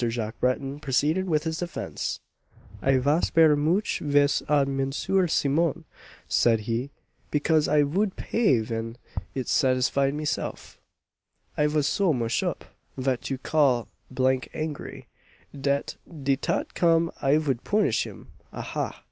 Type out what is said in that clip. Jacques Breton proceeded with his defence. "I vas ver much vex at Monsieur Simmon," said he, "because I vood pay ven it satisfied myself. I vas so mush up vat you call d n angry, dat de taut come I vood punise him, ahah.